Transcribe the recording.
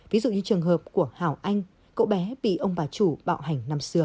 ví dụ như trường hợp của hảo anh cậu bé bị ông bà chủ bạo hành năm xưa